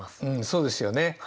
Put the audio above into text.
そうですよね。